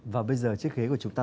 và bây giờ chiếc ghế của chúng ta